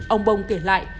ông bông kể lại